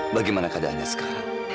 bagaimana keadaannya sekarang